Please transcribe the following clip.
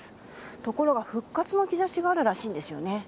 ところが、復活の兆しがあるらしいんですよね。